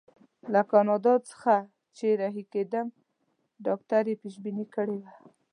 له کاناډا څخه چې رهي کېدم ډاکټر یې پېشبیني کړې وه.